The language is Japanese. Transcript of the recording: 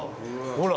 ほら！